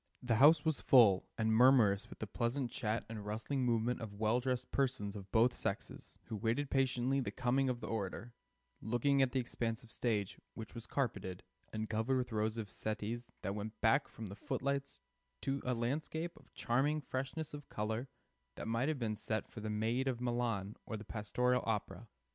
The house was full, and murmurous with the pleasant chat and rustling movement of well dressed persons of both sexes who waited patiently the coming of the orator, looking at the expanse of stage, which was carpeted, and covered with rows of settees that went backward from the footlights to a landscape of charming freshness of color, that might have been set for the "Maid of Milan" or the pastoral opera.